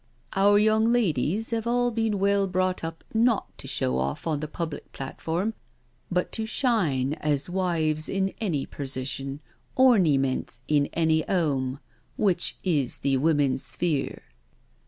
Our young ladies 'ave all been well brought up not to show off on the public platform, but to shine as wives in any persition orniments in any 'ome — ^which is the woman's sphere."